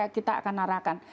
kita akan arahkan